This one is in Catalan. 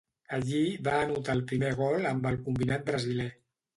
Allí va anotar el primer gol amb el combinat brasiler.